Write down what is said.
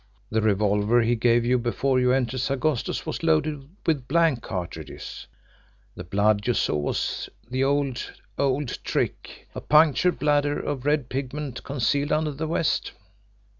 The revolver he gave you before you entered Sagosto's was loaded with blank cartridges, the blood you saw was the old, old trick a punctured bladder of red pigment concealed under the vest."